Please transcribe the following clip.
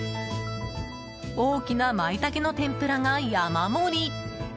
大きなマイタケの天ぷらが山盛り。